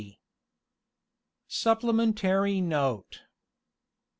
Supplementary Note.